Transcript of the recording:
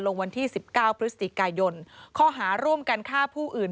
วันที่๑๙พฤศจิกายนข้อหาร่วมกันฆ่าผู้อื่น